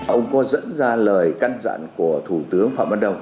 ông có dẫn ra lời căn dặn của thủ tướng phạm hùng